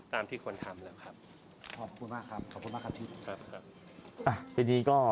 ขอบคุณมากครับ